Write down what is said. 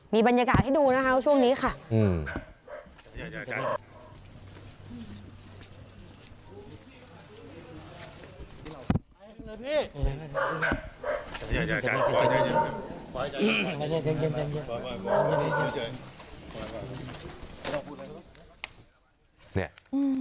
มีบรรยากาศที่ดูนะคะช่วงนี้ค่ะอืม